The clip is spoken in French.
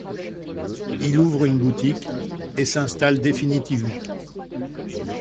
Il ouvre une boutique et s'installe définitivement.